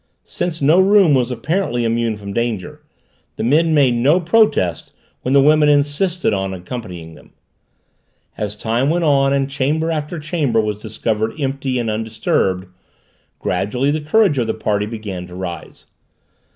Since no room was apparently immune from danger, the men made no protest when the women insisted on accompanying them. And as time went on and chamber after chamber was discovered empty and undisturbed, gradually the courage of the party began to rise.